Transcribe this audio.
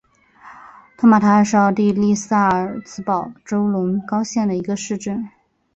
托马塔尔是奥地利萨尔茨堡州隆高县的一个市镇。